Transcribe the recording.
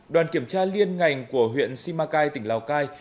đoàn kiểm tra liên ngành của huyện simacai tỉnh lào cai